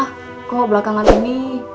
lo kenapa kok belakangan ini